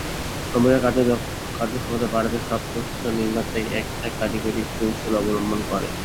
কম্পিউটারের কার্যক্ষমতা বাড়াতে সব প্রসেসর নির্মাতাই একটা কারিগরি কৌশল অবলম্বন করে।